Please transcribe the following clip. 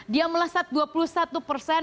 dia melesat dua puluh satu persen